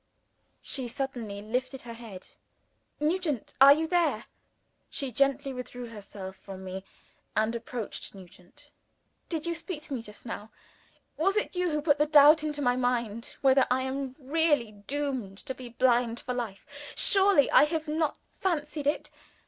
She suddenly lifted her head. "Nugent! are you there?" "Yes." She gently withdrew herself from me, and approached Nugent. "Did you speak to me just now? Was it you who put the doubt into my mind, whether I am really doomed to be blind for life? Surely, I have not fancied it?